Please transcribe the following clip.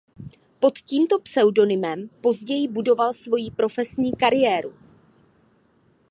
Pod tímto pseudonymem později budoval svoji profesionální kariéru.